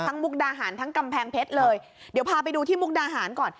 มุกดาหารทั้งกำแพงเพชรเลยเดี๋ยวพาไปดูที่มุกดาหารก่อน